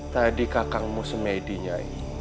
tadi kakangmu semedi nyai